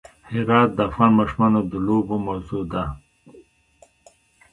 هرات د افغان ماشومانو د لوبو موضوع ده.